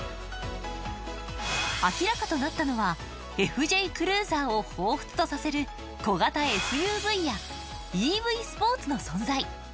明らかとなったのはＦＪクルーザーをほうふつとさせる小型ＳＵＶやＥＶスポーツの存在。